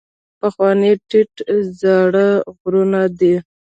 پخواني ټیټ زاړه غرونه دي.